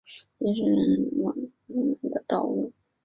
于是乎腓特烈踏上前往日尔曼的道路。